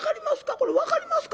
これ分かりますか？